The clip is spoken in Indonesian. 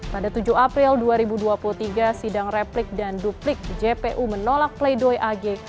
pada tujuh april dua ribu dua puluh tiga sidang replik dan duplik jpu menolak pleidoy ag